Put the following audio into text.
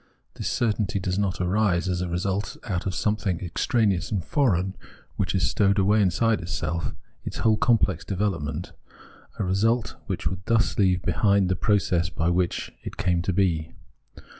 This certainty does not arise as a result out of something extraneous and foreign which stowed away inside itself its whole complex develop ment ; a result which would thus leave behind the process by which it came to be.